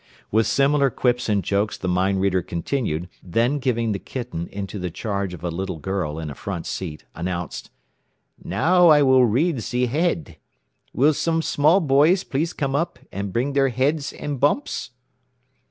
With similar quips and jokes the mind reader continued, then giving the kitten into the charge of a little girl in a front seat, announced: "Now will I read ze head. Will some small boys please come up and bring their heads and bumps?"